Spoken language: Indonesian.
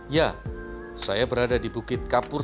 ya saya berada di bukit kapur